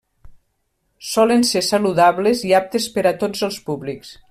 Solen ser saludables i aptes per a tots els públics.